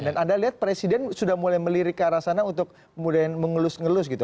dan anda lihat presiden sudah mulai melirik ke arah sana untuk mulai mengelus ngelus gitu